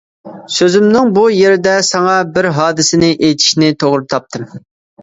سۆزۈمنىڭ بۇ يېرىدە ساڭا بىر ھادىسىنى ئېيتىشنى توغرا تاپتىم.